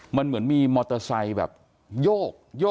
มันเหมือนมีมอเตอร์ไซค์แบบโยก